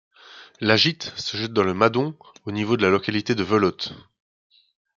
La Gitte se jette dans le Madon au niveau de la localité de Velotte.